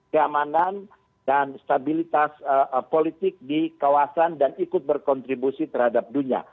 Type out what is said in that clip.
keamanan dan stabilitas politik di kawasan dan ikut berkontribusi terhadap dunia